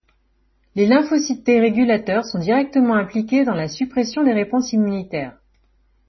Les lymphocytes T régulateurs sont directement impliqués dans la suppression des réponses immunitaires.